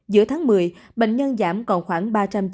giữa tháng một mươi bệnh nhân giảm còn khoảng ba trăm chín mươi